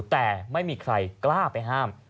แต่ไม่มีใครกล้าไปห้าม